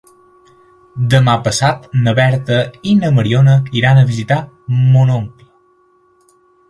Demà passat na Berta i na Mariona iran a visitar mon oncle.